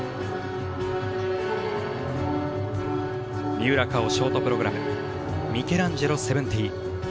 三浦佳生、ショートプログラム「ミケランジェロ’７０」。